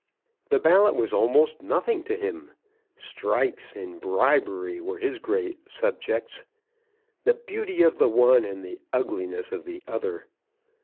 The ballot was almost nothing to him. Strikes and bribery were his great subjects; the beauty of the one and the ugliness of the other.